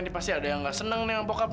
pasti ada yang nggak seneng nih sama bokap